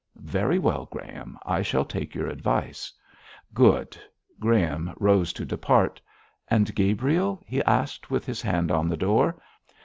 'Very well, Graham, I shall take your advice.' 'Good!' Graham rose to depart. 'And Gabriel?' he asked, with his hand on the door.